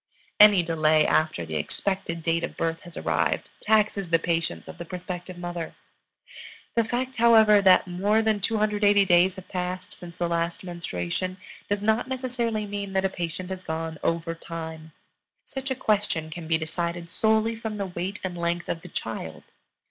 Any delay after the expected date of birth has arrived taxes the patience of the prospective mother. The fact, however, that more than 280 days have passed since the last menstruation, does not necessarily mean that a patient has gone "over time." Such a question can be decided solely from the weight and length of the child.